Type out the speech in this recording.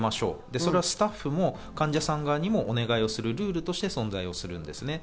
これはスタッフも患者さん側にもお願いをするルールとして存在するんです。